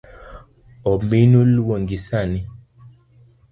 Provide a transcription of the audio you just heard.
Ominu luongi sani.